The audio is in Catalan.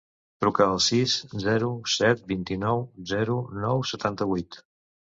Truca al sis, zero, set, vint-i-nou, zero, nou, setanta-vuit.